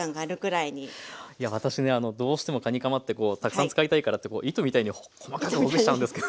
いや私ねどうしてもかにかまってこうたくさん使いたいからって糸みたいに細かくほぐしちゃうんですけど。